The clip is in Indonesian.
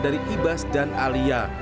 dari ibas dan alia